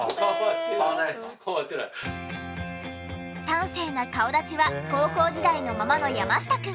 端正な顔立ちは高校時代のままの山下くん。